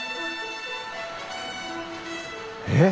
えっ？